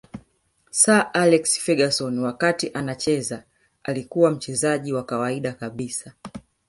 Sir Alex Ferguson wakati anacheza alikuwa mchezaji wa kawaida kabisa